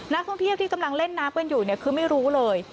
นักท่องเที่ยวที่กำลังเล่นน้ำกันอยู่เนี่ยคือไม่รู้เลย